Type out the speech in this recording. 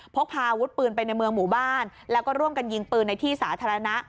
พกพาอาวุธปืนไปในเมืองหมู่บ้านแล้วก็ร่วมกันยิงปืนในที่สาธารณะ